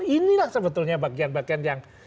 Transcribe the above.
inilah sebetulnya bagian bagian yang